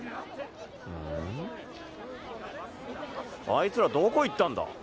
あいつらどこ行ったんだ？